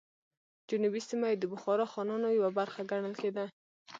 جنوبي سیمه یې د بخارا خانانو یوه برخه ګڼل کېده.